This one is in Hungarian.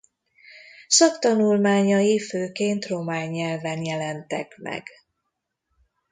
Szaktanulmányai főként román nyelven jelentek meg.